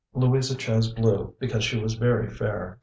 Louisa chose blue, because she was very fair.